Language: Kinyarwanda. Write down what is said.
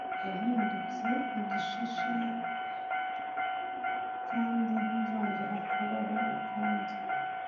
wahindutse igishishana kandi ntuzongera kubaho ukundi! »